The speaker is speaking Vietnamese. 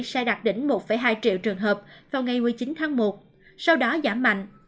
sẽ đạt đỉnh một hai triệu trường hợp vào ngày một mươi chín tháng một sau đó giảm mạnh